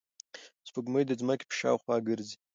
سپوږمۍ د ځمکې په شاوخوا ګرځي.